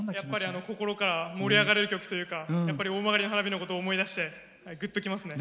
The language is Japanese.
心から盛り上がれるというか大曲の花火を思い出して、ぐっときますね。